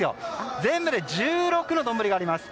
全部で１６の丼があります。